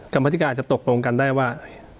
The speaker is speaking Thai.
กรรมธิการจะตกลงกันได้ว่า